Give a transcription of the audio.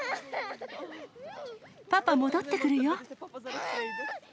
パパ戻ってくるよ。